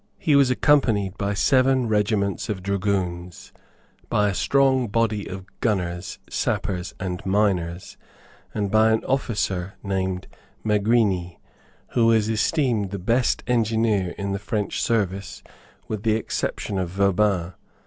He was accompanied by seven regiments of dragoons, by a strong body of gunners, sappers and miners, and by an officer named Megrigny, who was esteemed the best engineer in the French service with the exception of Vauban.